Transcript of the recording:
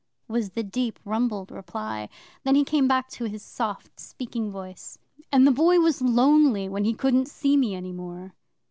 was the deep rumbled reply. Then he came back to his soft speaking voice. 'And the Boy was lonely, when he couldn't see me any more.